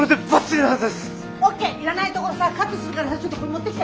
いらないところさカットするからさちょっと持ってきて。